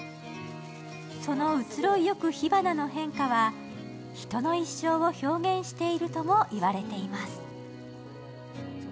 その移ろいゆく火花の変化は人の一生を表現しているとも言われています。